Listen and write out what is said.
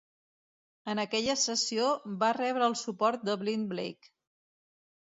En aquella sessió va rebre el suport de Blind Blake.